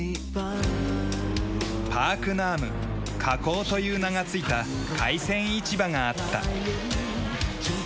パークナーム「河口」という名が付いた海鮮市場があった。